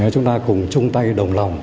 chúng ta cùng chung tay đồng lòng